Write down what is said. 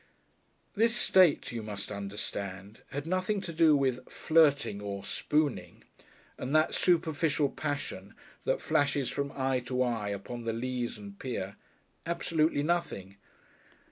This state, you must understand, had nothing to do with "flirting" or "spooning" and that superficial passion that flashes from eye to eye upon the leas and pier absolutely nothing.